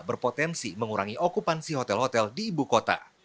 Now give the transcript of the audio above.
berpotensi mengurangi okupansi hotel hotel di ibu kota